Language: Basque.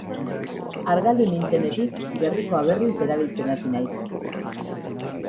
Argaldu nintzenetik gerrikoa berriz erabiltzen hasi naiz.